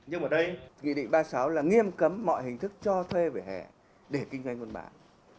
nhưng mà đây nghị định ba mươi sáu là nghiêm cấm mọi hình thức cho thuê vỉa hè để kinh doanh vân bản